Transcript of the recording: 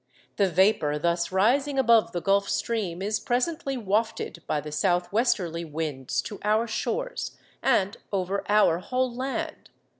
The vapour thus rising above the Gulf Stream is presently wafted by the south westerly winds to our shores and over our whole land.